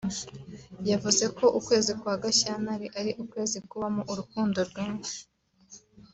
yavuze ko ukwezi kwa Gashyantare ari ukwezi kubamo urukundo rwinshi